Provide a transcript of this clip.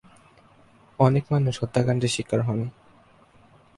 অনেক মানুষ হত্যাকাণ্ডের শিকার হন।